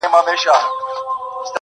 ما لیدل د پښتنو بېړۍ ډوبیږي!!